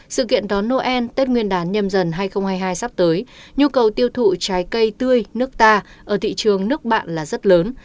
sự kiện đón noel tết nguyên đán nhâm dần hai nghìn hai mươi hai sắp tới nhu cầu tiêu thụ trái cây tươi nước ta ở thị trường nước bạn là rất lớn